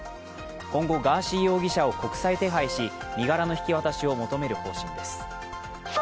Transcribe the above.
今後、ガーシー容疑者を国際手配し身柄の引き渡しを求める方針です。